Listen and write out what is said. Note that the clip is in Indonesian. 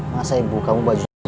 masa ibu kamu baju di situ